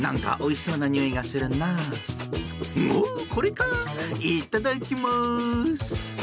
いただきます！